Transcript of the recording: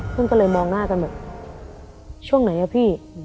ก็เลยมองหน้ากันแบบช่วงไหนอะพี่